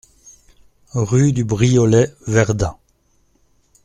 Rue du Briolet, Verdun